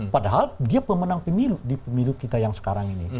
padahal dia pemenang pemilu di pemilu kita yang sekarang ini